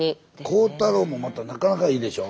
浩太朗もまたなかなかいいでしょ。